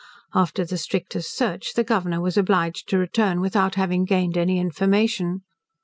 After the strictest search the Governor was obliged to return without having gained any information.